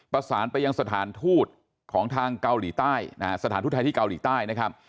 ประสานไปยังสถานทูตของทางเกาหลีใต้นะฮะสถานทูตไทยที่เกาหลีใต้นะครับ